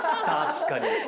確かに！